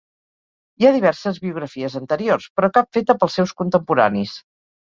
Hi ha diverses biografies anteriors, però cap feta pels seus contemporanis.